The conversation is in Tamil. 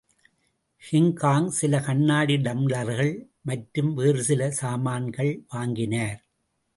கிங்காங் சில கண்ணாடி டம்ளர்கள் மற்றும் வேறுசில சாமான்கள் வாங்கினார்.